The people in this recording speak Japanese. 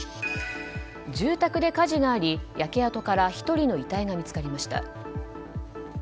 住宅で火事があり焼け跡から１人の遺体が見つかりました。